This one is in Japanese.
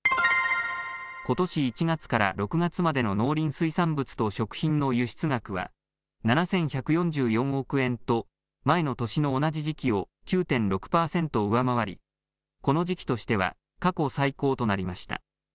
ことし１月から６月までの農林水産物の食品の輸出額は、７１４４億円と、前の年の同じ時期を９．６％上回り、この時期としては過去最高となりました。